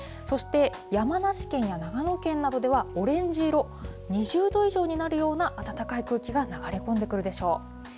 そして山梨県や長野県などでは、オレンジ色、２０度以上になるような暖かい空気が流れ込んでくるでしょう。